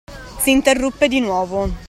S'interruppe di nuovo.